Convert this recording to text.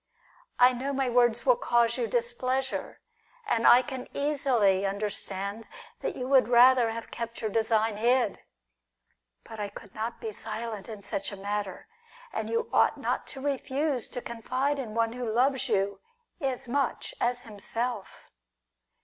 I know my words will cause you displeasure, and I can easily understand that you would rather have kept your design hid. But I could not be silent in such a matter, and you ought not to refuse to confide in one who loves you as much as himself.